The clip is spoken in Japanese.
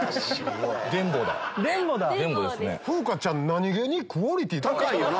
風花ちゃん何げにクオリティー高い。